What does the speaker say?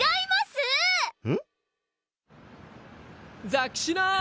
ザキシノ！